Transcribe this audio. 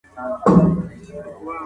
څېړونکی به پايلې وړاندي کړي.